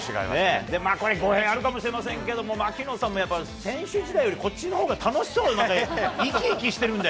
これ、語弊あるかもしれませんけども、槙野さんもやっぱり、選手時代よりこっちのほうが楽しそうでね、生き生きしてるんだよ